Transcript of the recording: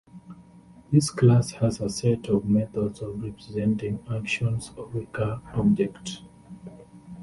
This class has a set of methods representing actions of a Car-object.